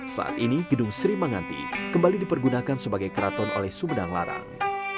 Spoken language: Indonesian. saat ini gedung sri manganti kembali dipergunakan sebagai keraton oleh sumedang larang